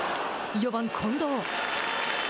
４番近藤。